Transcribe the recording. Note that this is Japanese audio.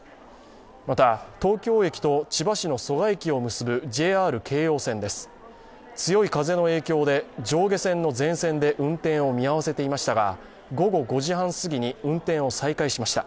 また、東京駅と千葉市の蘇我駅を結ぶＪＲ京王線です、強い風の影響で上下線の全線で運転を見合わせていましたが、午後５時半過ぎに運転を再開しました。